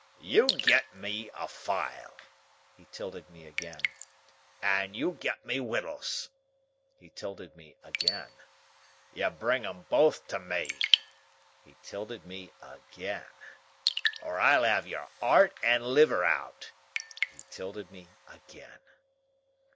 "You get me a file." He tilted me again. "And you get me wittles." He tilted me again. "You bring 'em both to me." He tilted me again. "Or I'll have your heart and liver out." He tilted me again.